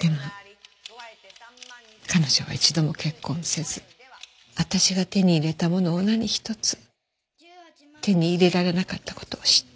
でも彼女は一度も結婚せず私が手に入れたものを何一つ手に入れられなかった事を知った。